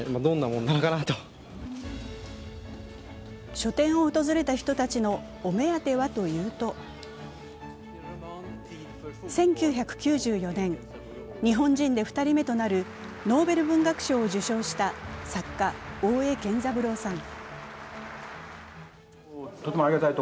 書店を訪れた人たちのお目当てはというと１９９４年、日本人で２人目となるノーベル文学賞を受賞した作家・大江健三郎さん。